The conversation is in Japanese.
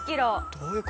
どういう事？